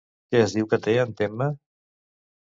Què es diu que té en Temme?